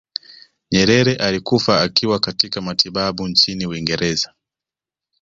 nyerere alikufa akiwa katika matibabu nchini uingereza